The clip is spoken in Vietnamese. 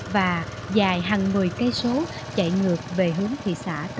và dài hàng mười cây số chạy ngược về hướng thị xã tân châu